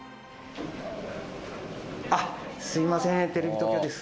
すみませんテレビ東京です。